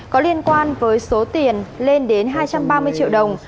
có liên quan với số tiền lên đến hai trăm ba mươi triệu đồng